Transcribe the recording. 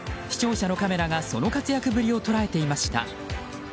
視聴者のカメラがその活躍ぶりを捉えていました。